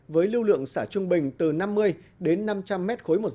với lưu lượng xả trung bình từ năm m hai